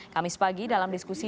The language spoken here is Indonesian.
kamis pagi dalam diskusi